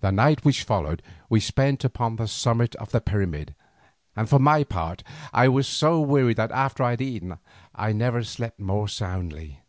The night which followed we spent upon the summit of the pyramid, and for my part I was so weary that after I had eaten I never slept more soundly.